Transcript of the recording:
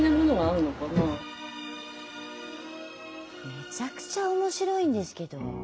めちゃくちゃ面白いんですけど。